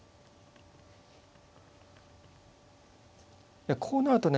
いやこうなるとね